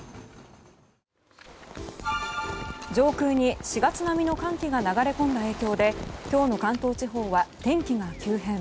上空に４月並みの寒気が流れ込んだ影響で今日の関東地方は天気が急変。